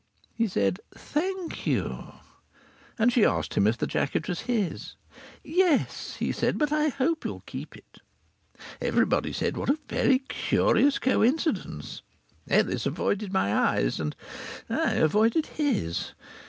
He said, "Thank you." And she asked him if the jacket was his. "Yes," he said, "but I hope you'll keep it." Everybody said what a very curious coincidence! Ellis avoided my eyes, and I avoided his....